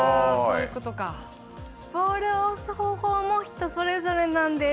ボールを押す方法も人それぞれなんです。